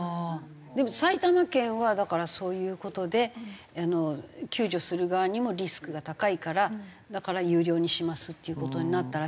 でも埼玉県はだからそういう事で救助する側にもリスクが高いからだから有料にしますっていう事になったらしいんですけれども。